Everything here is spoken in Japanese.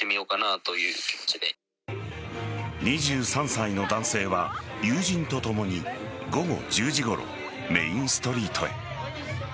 ２３歳の男性は友人と共に午後１０時ごろメインストリートへ。